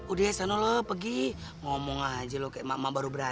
udah sana lo pergi ngomong aja kayak mama baru beranak